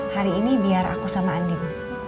hari ini biar aku sama andin